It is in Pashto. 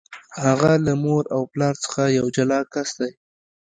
هغه له مور او پلار څخه یو جلا کس دی.